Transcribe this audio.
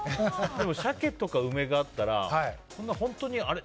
でもシャケとか梅があったら本当に、あれ？